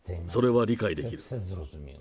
それは理解できる。